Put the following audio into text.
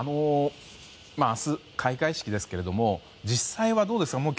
明日、開会式ですけども実際は、どうですか？